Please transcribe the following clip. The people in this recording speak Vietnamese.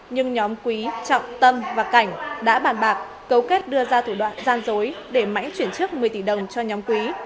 nhưng nhóm quý trọng tâm và cảnh đã bàn bạc cấu kết đưa ra thủ đoạn gian dối để mãnh chuyển trước một mươi tỷ đồng cho nhóm quý